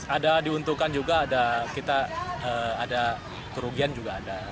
ada diuntungkan juga ada kerugian juga ada